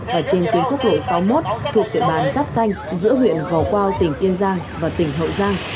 và trên tuyến quốc lộ sáu mươi một thuộc tuyện bán giáp xanh giữa huyện hò quao tỉnh kiên giang và tỉnh hậu giang